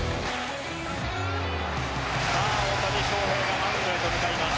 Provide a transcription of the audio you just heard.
大谷翔平がマウンドへと向かいます。